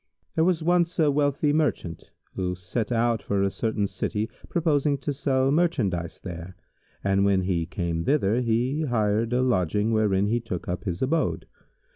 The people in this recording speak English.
There was once a wealthy Merchant, who set out for a certain city purposing to sell merchandise there, and when he came thither, he hired him a lodging wherein he took up his abode.